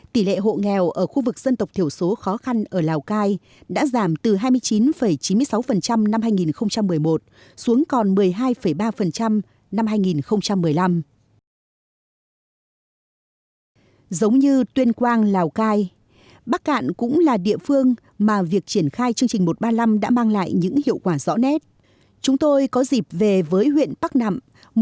tỷ lệ hộ nghèo ở khu vực dân tộc thiểu số khó khăn ở lào cai đã giảm từ hai mươi chín chín mươi sáu năm hai nghìn một mươi một xuống còn một mươi hai ba năm hai nghìn một mươi năm